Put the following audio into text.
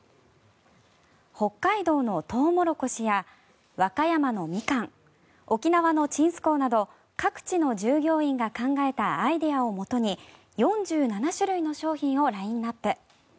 北海道のトウモロコシや和歌山のミカン沖縄のちんすこうなど各地の従業員が考えたアイデアをもとに４７種類の商品をラインアップ。